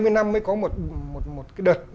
hai mươi năm mới có một đợt